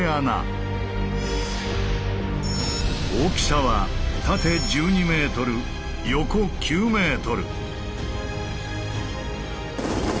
大きさは縦１２ｍ横９ｍ。